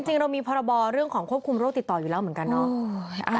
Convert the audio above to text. จริงเรามีพรบเรื่องของควบคุมโรคติดต่ออยู่แล้วเหมือนกันเนาะ